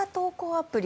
アプリ